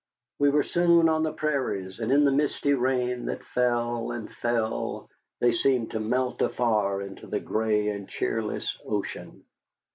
We were soon on the prairies, and in the misty rain that fell and fell they seemed to melt afar into a gray and cheerless ocean.